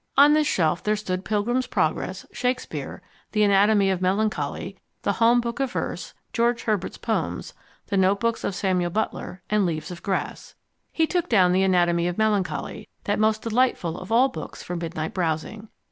On this shelf there stood Pilgrim's Progress, Shakespeare, The Anatomy of Melancholy, The Home Book of Verse, George Herbert's Poems, The Notebooks of Samuel Butler, and Leaves of Grass. He took down The Anatomy of Melancholy, that most delightful of all books for midnight browsing.